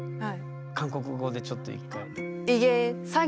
韓国語でちょっと１回。